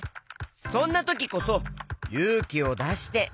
そんなときこそゆうきをだして。